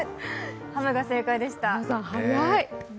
ハムが正解でした。